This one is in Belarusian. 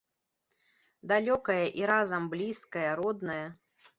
Далёкая і разам блізкая, родная.